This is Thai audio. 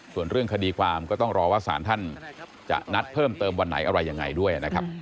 ส่วนเรื่องคดีความก็ต้องรอว่าสารท่านจะนัดเพิ่มเติมวันไหนอะไรยังไงด้วยนะครับ